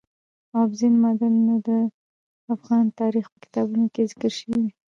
اوبزین معدنونه د افغان تاریخ په کتابونو کې ذکر شوی دي.